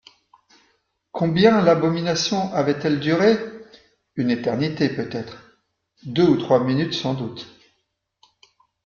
Combien l'abomination avait-elle duré ? une éternité peut-être, deux ou trois minutes sans doute.